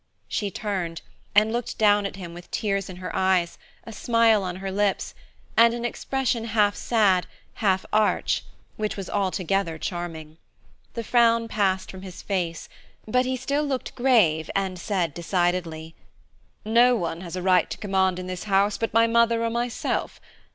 She turned, and looked down at him with tears in her eyes, a smile on her lips, and an expression half sad, half arch, which was altogether charming. The frown passed from his face, but he still looked grave and said decidedly, "No one has a right to command in this house but my mother or myself.